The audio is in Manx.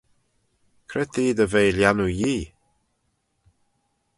Cre t'eh dy ve lhiannoo Yee?